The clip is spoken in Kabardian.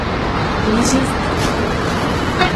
Vui jer zetêp'ejj!